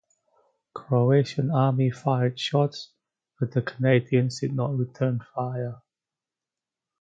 Croatian Army fired shots, but the Canadians did not return fire.